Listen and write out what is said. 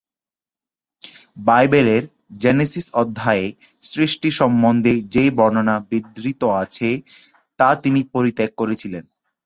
বাইবেলের জেনেসিস অধ্যায়ে সৃষ্টি সম্বন্ধে যে বর্ণনা বিধৃত আছে তা তিনি পরিত্যাগ করেছিলেন।